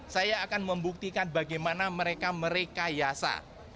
saya akan membuktikan bagaimana mereka merekayasa